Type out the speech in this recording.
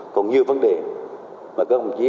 còn nhiều vấn đề mà các ông chí